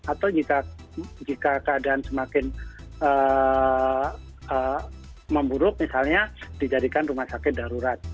atau jika keadaan semakin memburuk misalnya dijadikan rumah sakit darurat